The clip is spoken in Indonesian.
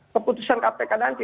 keputusan kpk nanti